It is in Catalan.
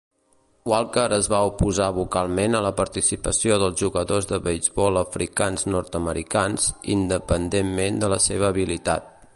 Walker es va oposar vocalment a la participació dels jugadors de beisbol africans-nord-americans, independentment de la seva habilitat.